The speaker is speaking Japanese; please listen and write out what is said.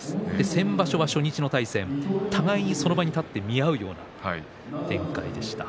先場所は初日の対戦互いにその場に立って見合うような展開でした。